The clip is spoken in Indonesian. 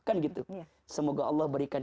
kan gitu semoga allah berikan